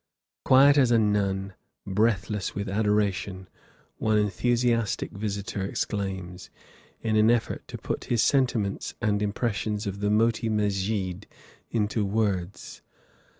"Quiet as a nun, breathless with adoration," one enthusiastic visitor exclaims, in an effort to put his sentiments and impressions of the Moti Mesjid into words.